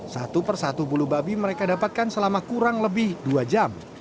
satu persatu bulu babi mereka dapatkan selama kurang lebih dua jam